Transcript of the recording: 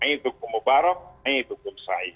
waalaikumsalam warahmatullahi wabarakatuh